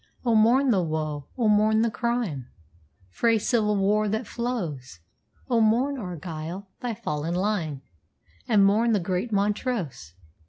Oh, mourn the woe! oh, mourn the crime Frae civil war that flows! Oh, mourn, Argyll, thy fallen line, And mourn the great Montrose!